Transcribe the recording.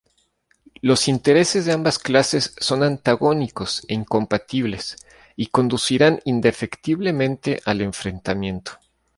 Los intereses de ambas clases son antagónicos e incompatibles y conducirán indefectiblemente al enfrentamiento.